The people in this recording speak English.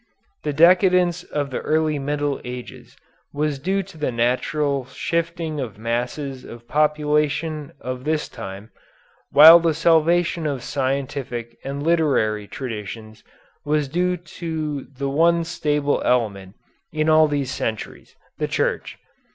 The decadence of the early Middle Ages was due to the natural shifting of masses of population of this time, while the salvation of scientific and literary traditions was due to the one stable element in all these centuries the Church.